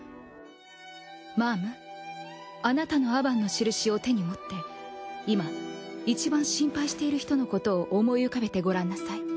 マァムあなたのアバンのしるしを手に持って今いちばん心配している人のことを思い浮かべてごらんなさい。